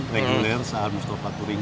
reguler saan stopa turing